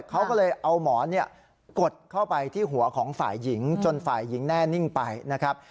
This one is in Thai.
เขาก็เลยเอาหมอนกดเข้าไปที่หัวของฝ่ายหญิงจนฝ่ายหญิงแน่นิ่งไปนะครับ